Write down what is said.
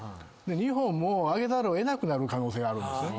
日本も上げざるを得なくなる可能性があるんですよね。